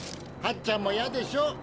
ハッちゃんもいやでしょ？